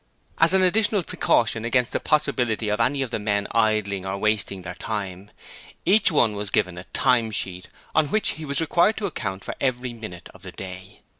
As an additional precaution against the possibility of any of the men idling or wasting their time, each one was given a time sheet on which he was required to account for every minute of the day.